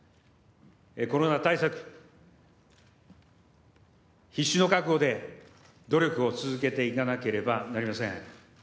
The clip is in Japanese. コロナ対策、必死の覚悟で努力を続けていかなければなりません。